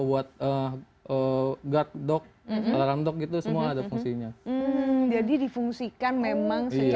buat guard dog ram dog gitu semua ada fungsinya jadi difungsikan memang secara awalnya ini sebagai apa